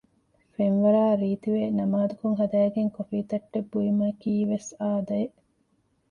ފެންވަރާ ރީތިވެ ނަމާދުކޮށް ހަދައިގެން ކޮފީތައްޓެއް ބުއިމަކީ ވެސް އާދައެއް